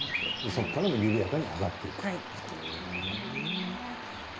そこからも緩やかに上がっていくと。